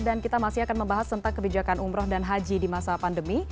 dan kita masih akan membahas tentang kebijakan umroh dan haji di masa pandemi